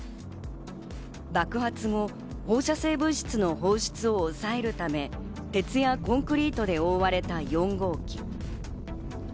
爆発後、放射性物質の放出を抑えるため、鉄やコンクリートで覆われた４号機。